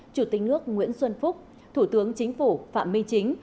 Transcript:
chủ tịch nước nguyễn xuân phúc thủ tướng chính phủ phạm minh chính